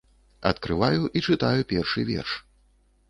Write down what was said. Адкрываю і чытаю першы верш.